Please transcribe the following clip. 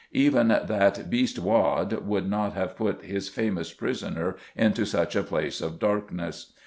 Even "that beast Waad" would not have put his famous prisoner into such a place of darkness.